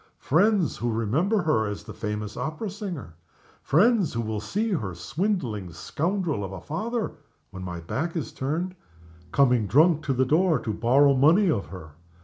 Friends who remember her as the famous opera singer. Friends who will see her swindling scoundrel of a father (when my back is turned) coming drunk to the door to borrow money of her!